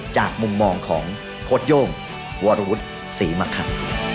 จากมุมมองของโพธโยงวัตถุศรีมะคัน